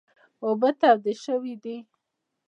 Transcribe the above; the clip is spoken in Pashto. اوبه تودې شوي دي .